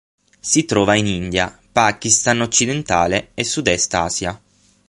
Si trova in India, Pakistan occidentale e sudest Asia.